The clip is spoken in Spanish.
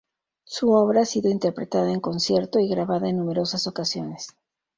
Su obra ha sido interpretada en concierto y grabada en numerosas ocasiones.